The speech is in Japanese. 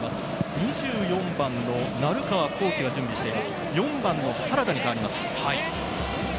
２４番の鳴川幸輝が準備しています、４番の原田に変わります。